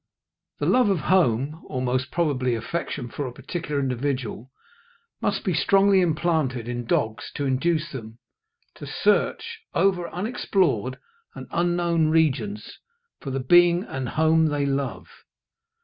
The love of home, or most probably affection for a particular individual, must be strongly implanted in dogs to induce them to search over unexplored and unknown regions for the being and home they love.